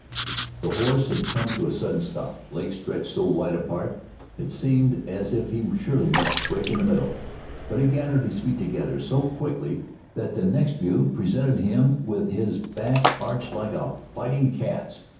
The horse had come to a sudden stop, legs stretched so wide that it seemed as if he surely must break in the middle. But he gathered his feet together so quickly that the next view presented him with his back arched like a fighting cat's.